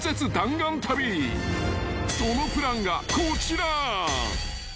［そのプランがこちら］